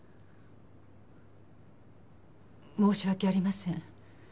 申し訳ありません。